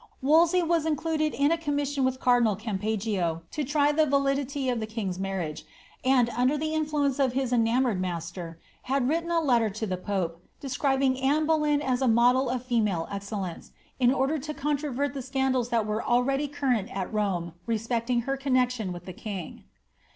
Wolsey was included in a commission with cardinal Cam peggio to try the validity of the king's marriage, and, under the influence of his enamoured master, had written a letter to the pope, describing Anoe Boleyn as a model of female excellence, in order to controvert the scandals that were already current at Rome respecting her connexion with the king.